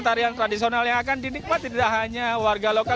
dan tradisional yang akan dinikmati tidak hanya warga lokal